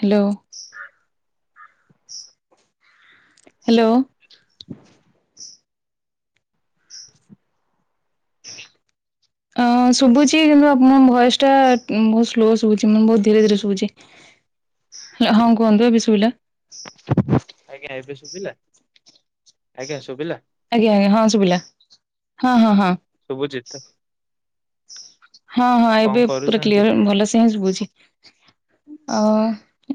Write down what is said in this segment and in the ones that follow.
Hello. [inaudible] Hello. [inaudible] ଅ ଶୁବୁଚି କିନ୍ତୁ ଆପଣଙ୍କ ଭଏସଟା ବହୁତ୍ ସ୍ଲୋ ଶୁବୁଚି ମୁଁ ବହୁତ ଧୀରେ ଧୀରେ ଶୁବୁଚି। ହ ହେଲା ହଁ କୁହନ୍ତୁ ଏବେ ସୁଭିଲା। ଆଜ୍ଞା ଏବେ ଶୁଭିଲା ଆଜ୍ଞା ଶୁଭିଲା? ଆଜ୍ଞା ଆଜ୍ଞା ହଁ ସୁଭିଲା ହଁ ହଁ ହଁ। ଶୁଭୁଚିତ? ହଁ ହଁ ଏବେ ପୁରା କ୍ଲିୟର ଭଲସେ ହଁ ଶୁଭୁଚି। ଅ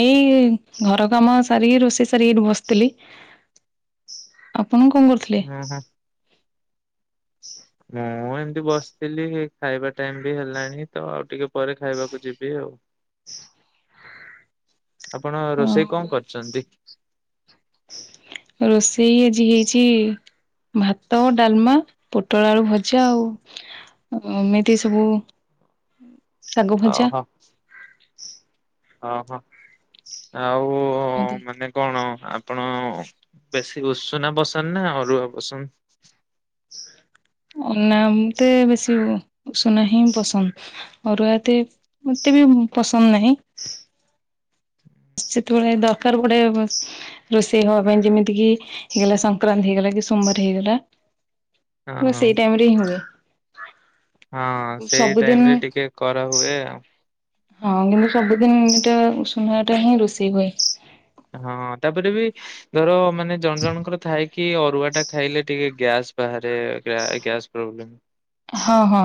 ଏଇ ଘର କାମ ସାରିକି ରୋଷେଇ ସାରିକି ଏଇଠି ବସିଥିଲି। ଆପଣ କଣ କରୁଛ ହଁ ହୋ। ହ ମୁଁ ଏମିତି ବସିଥିଲି ଖାଇବା ଟାଇମ ବି ହେଲାଣି ତ ଆଉ ଟିକେ ପରେ ଖାଇବାକୁ ଯିବି ଆଉ। ଆପଣ ହଁ ରୋଷେଇ କଣ କରିଛନ୍ତି? ରୋଷେଇ ଆଜି ହେଇଛି ଭାତ ଡାଲମା ପୋଟଳ ଆଳୁ ଭଜା ଆଉ। ଏମିତି ସବୁ ଶାଗ ଭଜା ଓହୋ। ଓହୋ ଆଉ ଏମିତି। ମାନେ କଣ ଆପଣ ବେଶୀ ଉଷୁନା ପସନ୍ଦ ନା ଅରୁଆ ପସନ୍ଦ? ଅନା ମତେ ବେଶୀ ଉ ଉସୁନା ହିଁ ପସନ୍ଦ। ଅରୁଆ ଏତେ ମତେ ବି ପସନ୍ଦ ନାହିଁ। ସେତେବେଳେ ଦରକାର ପଡେ ରୋଷେଇ ହବା ପାଇଁ ଯେମିତି କି ହେଇଗଲା ସଂକ୍ରାନ୍ତି ହେଇଗଲା କି ସୋମବାର ହେଇଗଲା ହଁ ସେଇ ଟାଇମ ରେ ହିଁ ହୁଏ। ହଁ ସେଇ ସବୁଦିନ ଟାଇମ ରେ ଟିକେ କରା ହୁଏ ଆଉ। ହଁ କିନ୍ତୁ ସବୁଦିନ ଏଟା ଉସୁନା ଟା ହିଁ ରୋଷେଇ ହୁଏ। ହଁ ତାପରେ ବି ଧର ମାନେ ଜଣେ ଜଣଙ୍କର ଥାଏକି ଅରୁଆ ଟା ଖାଇଲେ ଟିକେ ଗ୍ୟାସ୍। ବାହାରେ ଗ୍ୟା ଏ ଗ୍ୟାସ ପ୍ରୋବ୍ଲେମ୍। ହଁ ହଁ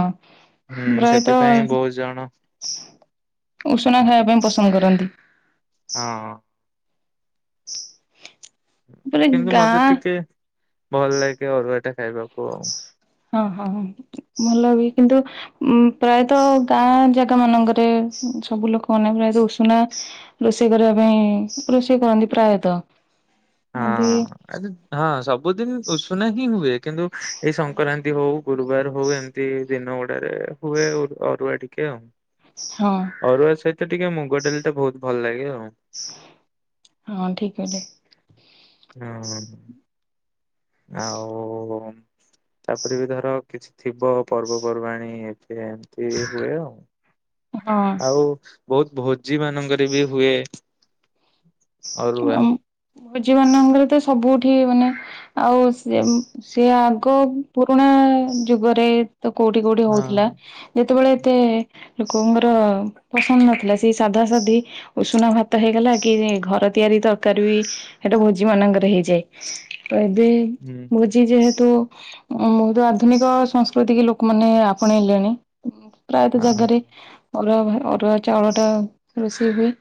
ସେଥିପାଇଁ ପ୍ରାୟତଃ ବହୁତ ଜଣ ଉଷୁନା ଖାଇବା ପାଇଁ ପସନ୍ଦ କରନ୍ତି। ହଁ। ତାପରେ କିନ୍ତୁ ମତେ ଗାଁ ଟିକେ ଭଲ ଲାଗେ ଅରୁଆ ଟା ଖାଇବାକୁ ଆଉ। ହଁ ହଁ ଭଲ ବି କିନ୍ତୁ ଉ ପ୍ରାୟତଃ ଗାଁ ଜାଗା ମାନଙ୍କରେ ସବୁ ଲୋକମାନେ ପ୍ରାୟତଃ ଉଷୁନା ରୋଷେଇ କରିବା ପାଇଁ ରୋଷେଇ କରନ୍ତି ପ୍ରାୟତଃ। ଏମିତି ଆଜି ହଁ ସବୁଦିନ ଉଷୁନା ହିଁ ହୁଏ। କିନ୍ତୁ ଏଇ ସଂକ୍ରାନ୍ତି ହଉ ଗୁରୁବାର ହଉ ଏମ ତି ଦିନ ଗୁଡାରେ ହୁଏ ଅରୁ ଅରୁଆ ଟିକେ ଆଉ। ହଁ। ଅରୁଆ ସହିତ ଟିକେ ମୁଗ ଡ଼ାଲିଟା ବହୁତ ଭଲ ଲାଗେ ଆଉ। ହଁ ଠିକ କହିଲେ। ହଁ ଆଉ ତାପରେ ବି ଧର କିଛି ଥିବ ପର୍ବପର୍ବାଣି ଏବେ ଏମିତି ହୁଏ ଆଉ। ହଁ। ଆଉ ବହୁତ ଭୋଜି ମାନଙ୍କରେ ବି ହୁଏ ଅରୁଆ। ଭୋଜିମାନଙ୍କରେ ତ ସବୁଠି ମାନେ ଆଉ ସିଏମ୍ ସିଏ ଆଗ ପୁରୁଣା ଯୁଗରେ ତ କୋଉଠି କୋଉଠି ହଁ ହଉଥିଲା, ଯେତେବଳେ ଏତେ ଲୋକଙ୍କର ପସନ୍ଦ ନଥିଲା। ସେଇ ସାଧା ସାଧି ଉଷୁନା ଭାତ ହେଇଗଲା କି ଘ ର ତିଆରି ତରକାରୀ ବି ହେଟେ ଭୋଜି ମାନଙ୍କରେ ହେଇଯାଏ। ତ ଏବେ ହୁଁ। ମୁଁ ଆଜି ଯେହେତୁ, ମଁହୁତ ଆଧୁନିକ ସଂସ୍କୃତିକି ଲୋକମାନେ ଆପଣେଇଲେଣି। ମୁଁ ପ୍ରାୟତଃ ହଁ। ଜାଗାରେ ଅରୁଆ ଭା ଅରୁଆ ଚାଉଳଟା ରୋଷେଇ ହୁଏ।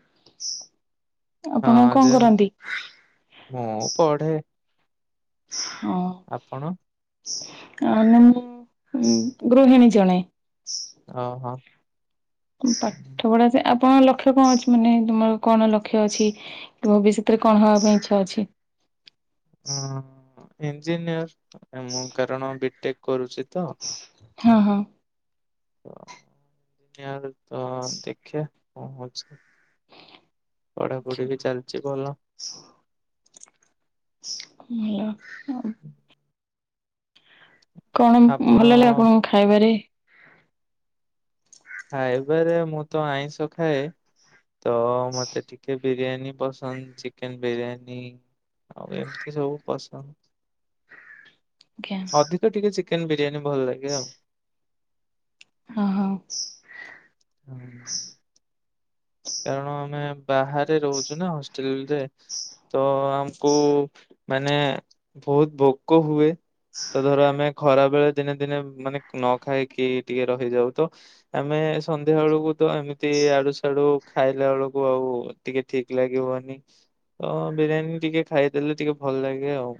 ଆପଣ ହଁ କଣ ଯେମ୍ କରନ୍ତି? ମୁଁ ପଢ଼େ। ହଁ ଆପଣ? ନାଁ, ମୁଁ ଗୃହିଣୀ ଜଣେ। ଅ ହଁ। ପାଠ ପଢା ସେ ଆପଣଙ୍କ ଲକ୍ଷ୍ୟ କଣ ଅଛି, ମାନେ ତୁମର କଣ ଲକ୍ଷ୍ୟ ଅଛି? କି ଭବିଷ୍ୟତରେ କଣ ହେବା ପାଇଁ ଇଛା ଅଛି? ହଁ, ହ ଇଞ୍ଜିନିୟର। ମୁଁ କାରଣ ବିଟେକ୍ କରୁଚି ତ। ହଁ, ହଁ। ଇଆଡେ ତ ଦେଖିଆ କଣ ହଉଚି? ପଢାପଢି ବି ଚାଲିଚି ଭଲ। ଭଲ ହଉ। କଣମ୍ ଆପଣ ଭଲ ଲାଏ ଆପଣଙ୍କୁ ଖାଇବାରେ? ଖାଇବାରେ ମୁଁ ତ ଆଇଁଷ ଖାଏ। ତ ମତେ ଟିକେ ବିରିୟାନୀ ପସନ୍ଦ, ଚିକେନ୍ ବିରିୟାନୀ ଆଉ ଏମତି ସବୁ ପସନ୍ଦ। ଜ୍ଞା। ତ ଟିକେ ଚିକେନ୍ ବିରିୟାନୀ ଭଲ ଲାଗେ ଆଉ। ହଁ, ହଁଉ ହୁଁ। କାରଣ, ଆମେ ବାହାରେ ରହୁଛୁ ନା, ହଷ୍ଟେଲ୍ ରେ। ତ ଆମକୁ ମାନେ ବହୁତ ଭୋକ ହୁଏ। ତ ଧର ଆମେ ଖରା ବେଳେ ଦିନେ ଦିନେ ମାନେ ନ ଖାଇକି ଟିକେ ରହିଯାଉ, ତ ଆମେ ସନ୍ଧ୍ୟା ବେଳୁକୁ ତ ଏମିତି ଆଡୁ ସାଡୁ ଖାଇଲା ବେଳୁକୁ ଆଉ ଟିକେ ଠିକ୍ ଲାଗିବନି। ତ ବିରିୟାନୀ ଟିକେ ଖାଇଦେଲେ ଟିକେ ଭଲ ଲାଗେ ଆଉ।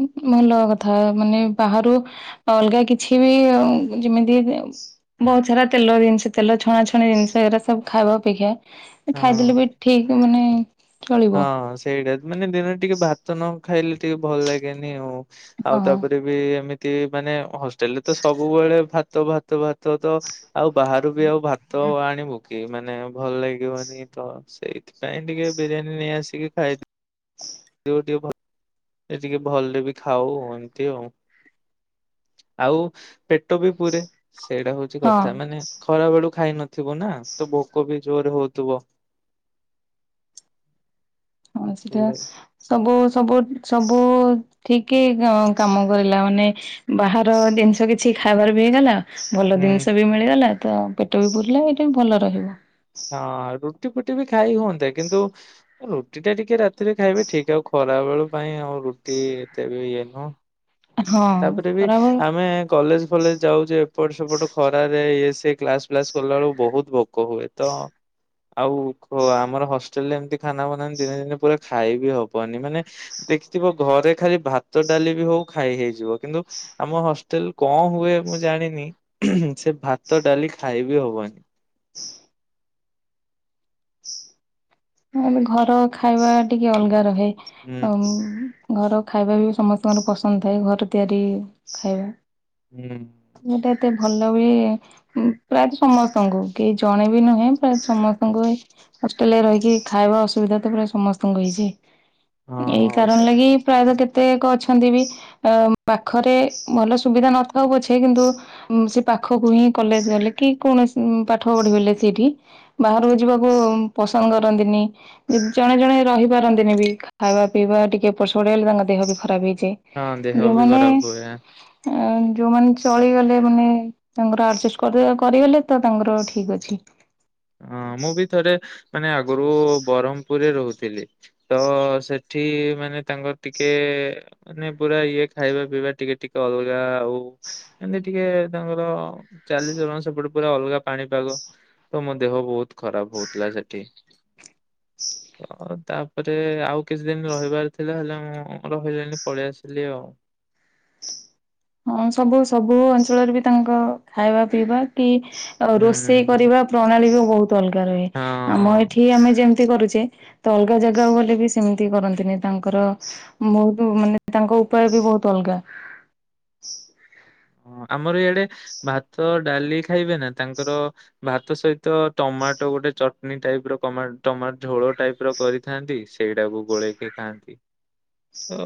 ଉଁ ଭଲ କଥା ମାନେ ବାହାରୁ ଅଲଗା କିଛି ବି ଆଉ ଯିମିତି [unintelligible] ବହୁତ ସାରା ତେଲ ଜିନିଷ ତେଲ ଛଣାଛଣି ଜିନିଷ ଏରା ସବୁ ଖାଇବା ଅପେକ୍ଷା ଏ ହଁ। ଖାଇଦେଲେ ବି ଠିକ୍ ମାନେ ଚଳିବ ହଁ, ସେଇଟା। ମାନେ ଦିନରେ ଟିକେ ଭାତ ନ ଖାଇଲେ ଟିକେ ଭଲ ଲାଗେନି ଆଉ। ହଁ ଆଉ ତା'ପରେ ବି ଏମିତି ମାନେ ହଷ୍ଟେଲ୍ ରେ ତ ସବୁବଳେ ଭାତ ଭାତ ଭା ତ ତ ଆଉ ବାହାରୁ ବି ଆଉ ଭାତ ଆଣିବୁ। କି ମାନେ ଭଲ ଲାଗିବନି ତ, ସେଇଥିପାଇଁ ଟିକେ ବିରିୟାନୀ ନେଇ ଆସିକି ଖାଇ ଟିଓ ଟିଓ ଭଲ ରେ ଟିକେ ଭଲରେ ବି ଖାଉଁ, ଏମତି ଆଉଁ। ଆଉ ପେଟ ବି ପୁରେ। ସେଇଟା ହଉଚି ହଁ କଥା। ମାନେ ଖରା ବେଳୁ ଖାଇ ନଥିବୁ ନା, ତ ଭୋକ ବି ଜୋର ହଉଥୁବ। ହଁ ସେଟା ଏଥିଲାଗି ସବୁ ସବୁ ସବୁ ଠିକି କାଁ -କାମ କରିଲା ମାନେ ବାହାର ଜିନିଷ କିଛି ଖାଇବାର ବି ହେଲା। ଭଲ ଦିନିଷ ହୁଁ। ବି ମିଳିଗଲା ତ ପେଟ ବି ପୁୁରିଲା ଏଇଟା ବି ଭଲ ରହିବ। ହଁ ରୁଟି ଫୁଟି ବି ଖାଇ ହୁଅନ୍ତା କିନ୍ତୁ ଏ ରୁଟି ଟା ଟିକେ ରାତିରେ ଖାଇବେ ଠିକ୍ ଆଉ ଖରାବେଳୁ ପାଇଁ ଆଉ ରୁଟି ଏତେ ବି ଇଏ ନୁହଁ। ହଁ ତାପରେ ବି ଖରାବେଳେ ଆମେ କଲେଜ ଫଲେଜ ଯାଉଚି ଏପଟ ସେପଟ ଖରାରେ ଇଏ ସିଏ କ୍ଲାସ ଫ୍ଲାସ୍ କଲା ବେଳକୁ ବହୁତ ଭୋକ ହୁଏ। ତ ଆଉ ହ ଆମର ହଷ୍ଟେଲ ରେ ଏମିତି ଖାନା ବନାନ୍ତି ଦିନେ ଦିନେ ପୁରା ଖାଇବି ହବନି ମାନେ ଦେଖିଥିବ ଘରେ ଖାଲି ଭାତ ଡାଲି ବି ହଉ ଖାଇ ହେଇଯିବ କିନ୍ତୁ ଆମ ହଷ୍ଟେଲ କଣ ହୁଏ ମୁଁ ଜାଣିନି ହୁଁ ସେ ଭାତ ଡାଲି ଖାଇବି ହବନି। ହଁ ବା ଘର ଖାଇବା ଟିକେ ଅଲଗା ରହେ ହୁଁ ଆଉ ଘର ଖାଇବା ବି ସମସ୍ତଙ୍କର ପସନ୍ଦ ଥାଏ ଘର ତିଆରି ଖାଇବା। ହୁଁ। ମୁଁ ତ ଏତେ ଭଲ ହୁଏ। ଉଁ ପ୍ରାୟତଃ ସମସ୍ତଙ୍କୁ କେହି ଜଣେ ବି ନୁହେଁ ପ୍ରାୟତ ସମସ୍ତଙ୍କୁ ଏଇ ହଷ୍ଟେଲରେ ରହିକି ଖାଇବା ଅସୁବିଧା ତ ପ୍ରାୟ ସମସ୍ତଙ୍କୁ ହେଇଚି ଏଇ ହଁ କାରଣ ସେ ଲାଗି ପ୍ରାୟତଃ କେ ତେକ ଅଛନ୍ତି ବି ଅ ଉଁ ପାଖରେ ଭଲ ସୁବିଧା ନ ଥାଉ ପଛେ କିନ୍ତୁ ଉଁ ସେଇ ପାଖକୁ ହିଁ କଲେଜ ଗଲେ କି କୌଣସି ଉଁ ପାଠ ପଢି ବୋଇଲେ ସେଇଠି ବାହାରକୁ ଯିବାକୁ ଉଁ ପସନ୍ଦ କରନ୍ତିନି। ଏ ଜଣେ ଜଣେ ରହିପାରନ୍ତିନି ବି ଖା-ଖାଇବା ପିଇବା ଟିକେ ଏପଟ୍ ସେପଟ୍ ହେଲେ ତାଙ୍କ ଦେହ ବି ଖରାପ ହେଇଚି। ହଁ ଦେହ ବି ଯୋଉମାନେ ଖରାପ ହୁଏ ଅ ଯୋଉମାନେ ଚଳିଗଲେ ମାନେ ତାଙ୍କର ଆର୍ଜେଷ୍ଟ କରିଦେ କରିଗଲେ ତ ତାଙ୍କର ଠିକ୍ ଅଛି। ହଁ ମୁଁ ବି ଥରେ ମାନେ ଆଗରୁ ବରହମପୁରରେ ରହୁଥିଲି। ତ ସେଠି ମାନେ ତାଙ୍କର ଟିକେ ମାନେ ପୁରା ଇଏ ଖାଇବା ପିଇବା ଟିକେ ଟିକେ ଅଲଗା ଆଉ ଏମତି ଟିକେ ତାଙ୍କର ଚାଲିଚଳଣ ସେପଟେ ପୁରା ଅଲଗା ପାଣିପାଗ। ତ ମୋ ଦେହ ବହୁତ ଖରାପ ହଉଥିଲା ସେଠି। ଅ ତାପରେ ଆଉ କିଛି ଦିନ ରହିବାର ଥିଲା ହେଲେ ମୁଁ ରହିଲିନି ପଳେଇ ଆସିଲି ଆଉ। ହଁ ସବୁ ସବୁ ଅଞ୍ଚଳରେ ବି ତାଙ୍କ ଖାଇବା ପିଇବା କି ଅ ରୋଷେଇ ହୁଁ କରିବା ପ୍ରଣାଳୀ ବି ବହୁତ ଅଲଗା ରୁହେ ଆମ ଏ ହଁ। ଠି ଆମେ ଯେମତି କରୁଚେ ତ ଅଲଗା ଜାଗାକୁ ଗଲେ ବି ସେମିତି କରନ୍ତିନି ତାଙ୍କର। ଉଁ ବହୁତ ମାନେ ତାଙ୍କ ଉପାୟ ବି ବହୁତ ଅଲଗା। ହଁ ଆମର ଇଆଡେ ଭାତ ଡାଲି ଖାଇବେ ନା ତାଙ୍କର ଭାତ ସହିତ ଟମାଟୋ ଗୋଟେ ଚଟନି ଟାଇପ ର କମାଟ ଟମାଟ ଝୋଳ ଟାଇପ୍ ର କରିଥାନ୍ତି ସେଇଟାକୁ ଗୋଳେଇକି ଖାଆନ୍ତି ତ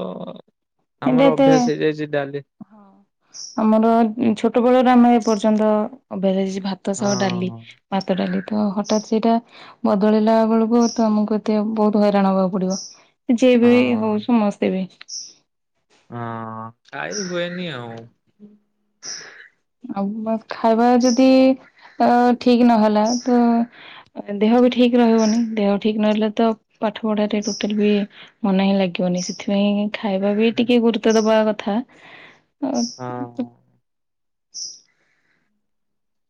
ଆମର ଅଭ୍ୟାସ ହେଇଯାଇଚି ଡାଲି। ହଁ ଆମର ଉଁ ଛୋଟ ବେଳରୁ ଆମେ ଏ ପର୍ଯ୍ୟନ୍ତ ଅଭ୍ୟାସ ହେଇଚି। ଭାତ ହଁ ସହ ଡାଲି ଭାତ ଡାଲି। ତ ହଠାତ୍ ସେଇଟା ବଦଳିଲା ବେଳକୁ ତ ଆମକୁ ଏତେ ବହୁତ ହଇରାଣ ହବାକୁ ପଡିବ। ଯିଏ ବି ହଉ ହଁ। ସମସ୍ତେ ବି। ହଁ ଖାଇ ହୁଏନି ଆଉ। ଆଉ ଅ ଖାଇବା ଯଦି ଅ ଠିକ୍ ନହେଲା ତ ଅ ଏଁ ଦେହ ବି ଠିକ୍ ରହିବନି ଦେହ ଠିକ୍ ନ ରହିଲେ ତ ପାଠ ପଢାରେ ଟୋଟାଲ ବି ମନ ହିଁ ଲାଗିବନି ସେଥିପାଇଁ ଖାଇବା ବି ଟିକେ ଗୁରୁତ୍ବ ଦବା କଥା ଆଉ ହଁ।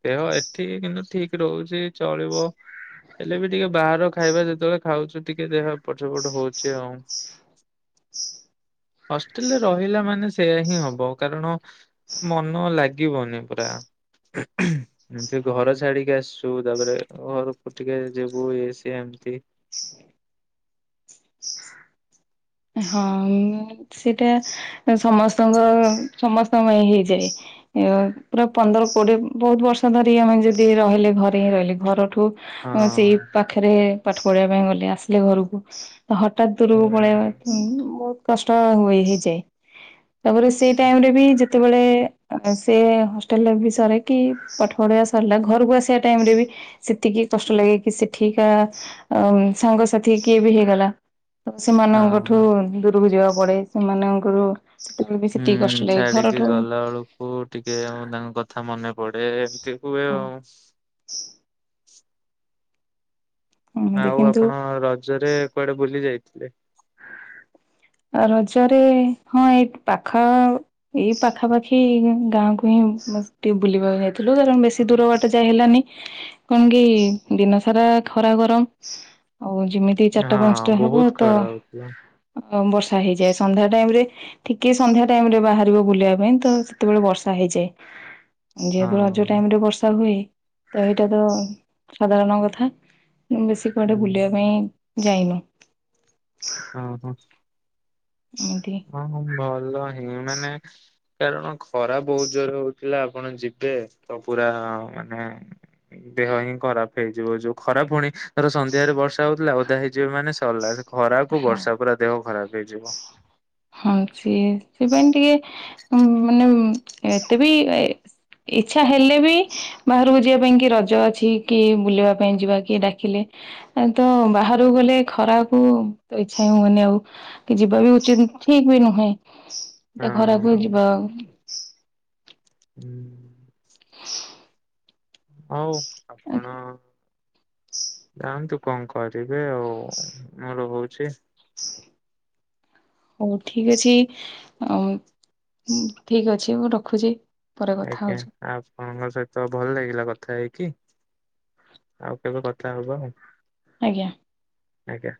ଦେହ ଏଠି କିନ୍ତୁ ଠିକ ରହୁଚି, ଚଳିବ। ହେଲେ ବି ଟିକେ ବାହାର ଖାଇବା ଯେତେବେଳେ ଖାଉଚୁ, ଟିକେ ଦେହ ଏପଟ ସେପଟ ହଉଚି ଆଉ। ହଷ୍ଟେଲେରେ ରହିଲା ମାନେ ସେଇୟା ହିଁ ହବ, କାରଣ ମନ ଲାଗିବନି ପୁରା। ଏମତି ଘର ଛାଡିକି ଆସଛୁ, ତାପରେ ଘରକୁ ଟିକେ ଯିବୁ, ଇଏ ସିଏ ଏମତି। ହଁ ସେଟା ସମସ୍ତଙ୍କ, ସମସ୍ତଙ୍କ ପାଇଁ ହେଇଯାଏ। ପୁରା ପନ୍ଦର କୋଡିଏ ବହୁତ ବର୍ଷ ଧରି ଆମେ ଯଦି ରହିଲେ ଘରେ ହିଁ ରହିଲେ, ଘରଠୁ ହଁ ସେଇ ପାଖରେ ପାଠ ପଢିବା ପାଇଁ ଗଲେ, ଆସିଲେ ଘରକୁ ହଠାତ୍ ଦୂରକୁ ପଳେଇବା ହୁଁ ବହୁତ କଷ୍ଟ ହୁଏ ହେଇଯାଏ। ତାପରେ ସେଇ ହୁଁ ଟାଇମ୍ ରେ ବି ଯେତେବେଳେ ସେ ହଷ୍ଟେଲ ଲାଇଫ୍ ବି ସରେ କି ପାଠ ପଢିବା ସରିଲା, ଘରକୁ ଆସିବା ଟାଇମ୍ ରେ ବି ସେତିକି କଷ୍ଟ ଲାଗେ, କି ସେଠିକା ଅ ସାଙ୍ଗସାଥି କିଏ ବି ହେଇଗଲା, ତ ସେମାନଙ୍କ ହଁ ଦୂରକୁ ଯିବାକୁ ପଡେ, ସେମାନଙ୍କର ସେତେବେଳେ ବି ସେତିକି କଷ୍ଟ ଲାଗେ ଘରଠାରୁ ହଉ ଟିକେ ଆମେ ତାଙ୍କ କଥା ମନେ ପଡେ, ଏମତି ହୁଏ ହଁ ଆଉ। [unintelligible] ଏମିତି ଆଉ କିନ୍ତୁ ଆପଣ ରଜରେ କୁଆଡେ ବୁଲି ଯାଇଥିଲେ? ରଜରେ, ହଁ ଏଇ ପାଖ ଏଇ ପାଖାପାଖି ଗାଁକୁ ହିଁ ଟିକେ ବୁଲିବାକୁ ଯାଇଥିଲୁ, କାରଣ ବେଶୀ ଦୂର ବାଟ ଯାଇ ହେଲାନି। କଣ କି ଦିନ ସାରା ଖରା ଗରମ, ଆଉ ଯେମିତି ତି ଚାରିଟା ପାଞ୍ଚଟା ହେବ ତ ଦେଖିବା। ବର୍ଷା ହେଇଯାଏ, ସନ୍ଧ୍ୟା ଟାଇମ୍ ରେ ଟିକେ ସନ୍ଧ୍ୟା ଟାଇମ୍ ରେ ବାହାରିବ ବୁଲିବା ପାଇଁ ତ, ସେତେବେଳେ ବର୍ଷା ହେଇଯାଏ। ଯେହେତୁ ରଜ ହଁ। ଟାଇମ ରେ ବର୍ଷା ହୁଏ, ତ ଏଇଟା ତ ସାଧାରଣ କଥା। ମୁଁ ବେଶି କୁଆଡେ ବୁଲିବା ହଁ ପାଇଁ ଯାଇନୁ। ଅଁ ହ। ଏମିତି। ହଁ, ଭଲ ହିଁ ମାନେ କାରଣ ଖରା ବହୁତ ଜୋରରେ ହଉଥିଲା ଆପଣ ଯିବେ, ତ ପୁରା ମାନେ ଦେହ ହିଁ ଖରାପ ହେଇଯିବ ଯୋଉ ଖରା ଫୁଣି ଧର ସନ୍ଧ୍ୟାରେ ବର୍ଷା ହଉଥିଲା ଓଦା ହେଇଯିବ ମାନେ ସରିଲା, ସେ ଖରାକୁ ହଁ ବର୍ଷା, ପୁରା ଦେହ ଖରାପ ହେଇଯିବ। ହଁ ସିଏ ସେପାଇ ଟିକେ ମାନେ ଏତେ ବି ଇଛା ହେଲେ ବି, ବାହାରକୁ ଯିବା ପାଇଁ କି, ରଜ ଅଛି କି, ବୁଲିବା ପାଇଁ ଯିବା କିଏ ଡାକିଲେ ତ ବାହାରକୁ ଗଲେ ଖରାକୁ ତ ଇଛା ହୁଏନି ଆଉ, କି ଯିବା ବି ଉଚିତ୍ ଠିକ୍ ବି ନୁହେଁ। ଏତେ ଖରାକୁ ଯିବା ଆଉ। ହୁଁ। [unintelligible] ହଉ ଆପଣ ଯାଆନ୍ତୁ କଣ କରିବେ ଆଉ, ମୁଁ ରହୁଚି। [unintelligible] ହଉ ଠିକ୍ ଅଛି, ଠିକ୍ ଅଛି ମୁଁ ରଖୁଛି। ପରେ କଥା ଆଜ୍ଞା, ହଉଛି ଆ ଆପଣଙ୍କ ସହିତ ଭଲ ଲାଗିଲା କଥା ହେଇକି। ଆଉ କେବେ କଥା ହବା ଆଉ। ଆଜ୍ଞା। ଆଜ୍ଞା।